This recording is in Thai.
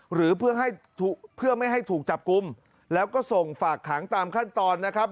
หรือเพื่อไม่ให้ถูกจับกุมแล้วก็ส่งฝากขางตามขั้นตอนนะครับ